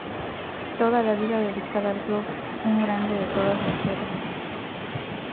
Toda la vida dedicada al club, un grande de todas las eras.